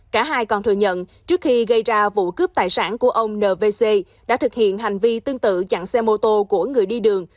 cả hai còn thừa nhận trước khi gây ra vụ cướp tài sản của ông nvc đã thực hiện hành vi tương tự chặn xe mô tô của người đi đường